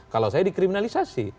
kalau saya dikriminalisasi